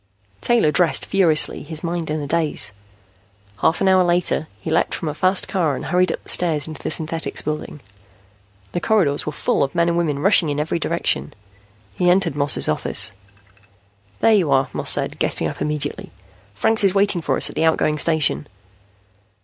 Taylor dressed furiously, his mind in a daze. Half an hour later, he leaped from a fast car and hurried up the stairs into the Synthetics Building. The corridors were full of men and women rushing in every direction. He entered Moss's office. "There you are," Moss said, getting up immediately. "Franks is waiting for us at the outgoing station."